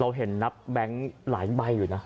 เห็นนับแบงค์หลายใบอยู่นะ